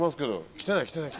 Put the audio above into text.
「来てない来てない」。